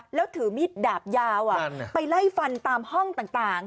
แล้วถือมีดดาบยาวไปไล่ฟันตามห้องต่าง